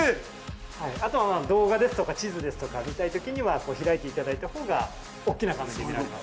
あとは動画ですとか地図ですとか見たいときには開いていただいたほうが大きな画面で見られます。